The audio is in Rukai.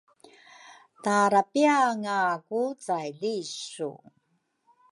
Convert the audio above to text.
Tara pianga ku caili su?